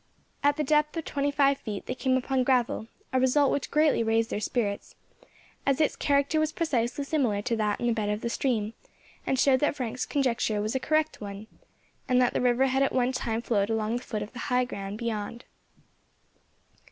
At the depth of twenty feet they came upon gravel, a result which greatly raised their spirits, as its character was precisely similar to that in the bed of the stream, and showed that Frank's conjecture was a correct one, and that the river had at one time flowed along the foot of the high ground beyond.